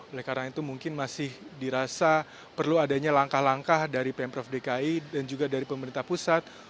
oleh karena itu mungkin masih dirasa perlu adanya langkah langkah dari pemprov dki dan juga dari pemerintah pusat